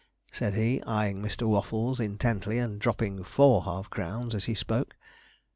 said he, eyeing Mr. Waffles intently, and dropping four half crowns as he spoke.